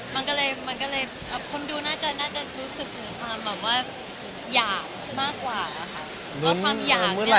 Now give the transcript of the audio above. มันก็เลยคนดูน่าจะรู้สึกถึงความเหมือนว่า